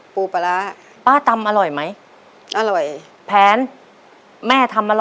ปลูปลาร้า